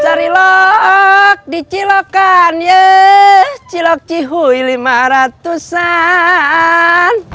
cari look dicilokan yee cilok cihuy lima ratusan